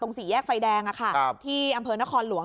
ตรงสีแยกไฟแดงค่ะที่อำเภอนครหลวง